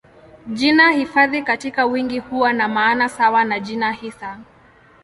Jina hifadhi katika wingi huwa na maana sawa na jina hisa.